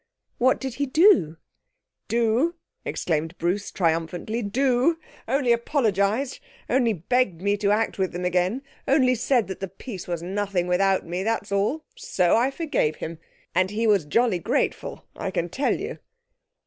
'What did he do?' 'Do!' exclaimed Bruce triumphantly. 'Do! Only apologised only begged me to act with them again only said that the piece was nothing without me, that's all! So I forgave him, and he was jolly grateful, I can tell you.'